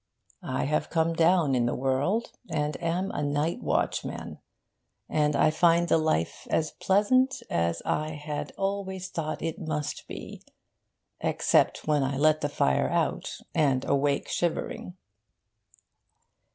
I have come down in the world, and am a night watchman, and I find the life as pleasant as I had always thought it must be, except when I let the fire out, and awake shivering....